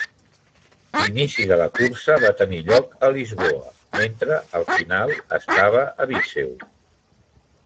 L'inici de la cursa va tenir lloc a Lisboa, mentre el final estava a Viseu.